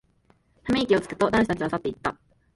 ため息をつくと、男子たちは散っていった。